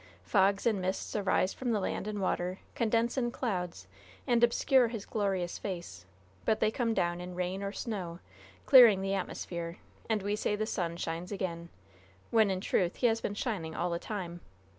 Fogs and mists arise from the land and water, condense in clouds, and obscure his glorious face, but they come down in rain or snow, clearing the atmosphere, and we say the sun shines again, when, in truth, he has been shining all the time.